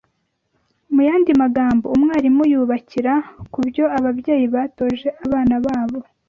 Mu yandi magambo umwarimu yubakira ku byo ababyeyi batoje abana babo